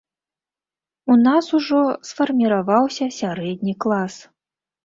У нас ужо сфарміраваўся сярэдні клас.